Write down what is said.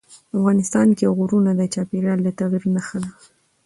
افغانستان کې غرونه د چاپېریال د تغیر نښه ده.